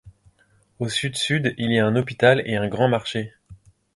Au sud sud, il y a un hôpital et un grand marché.